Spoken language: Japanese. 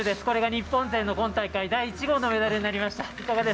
これが日本勢の今大会第１号のメダルになりました。